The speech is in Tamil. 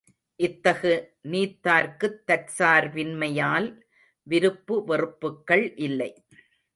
இத்தகு நீத்தார்க்குத் தற்சார்பின்மையால் விருப்பு வெறுப்புக்கள் இல்லை.